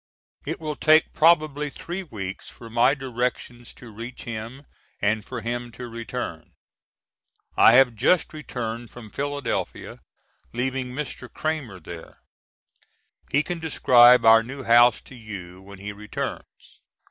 It will take probably three weeks for my directions to reach him and for him to return. I have just returned from Philadelphia leaving Mr. Cramer there. He can describe our new house to you when he returns.